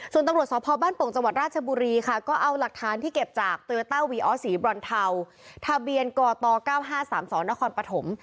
ส่วนตำรวจสพบ้านโป่งจังหวัดราชบุรีค่ะก็เอาหลักฐานที่เก็บจากโตโยต้าวีออสสีบรอนเทาทะเบียนกต๙๕๓๒นครปฐม